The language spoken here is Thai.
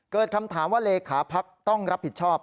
เกิดคำถามว่าเลขาพักต้องรับผิดชอบ